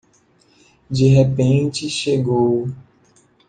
De repente chegou